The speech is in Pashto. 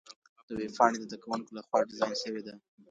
دا ویبپاڼه د زده کوونکو لخوا ډیزاین سوي ده.